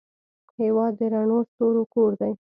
هېواد د رڼو ستورو کور دی.